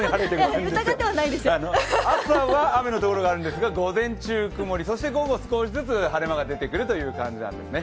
朝は雨のところがあるんですが、午前中曇り、そして午後少しずつ晴れ間が出てくるという感じなんですね。